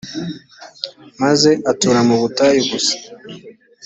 maze atura mu butayu gusa